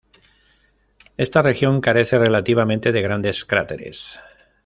Esta región carece relativamente de grandes cráteres.